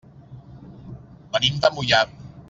Venim de Moià.